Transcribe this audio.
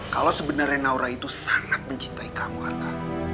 kalau sebenarnya naura itu sangat mencintai kamu harta